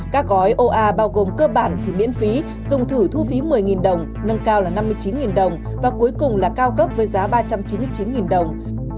các gói oa bao gồm cơ bản thì miễn phí dùng thử thu phí một mươi đồng nâng cao là năm mươi chín đồng và cuối cùng là cao cấp với giá ba trăm chín mươi chín đồng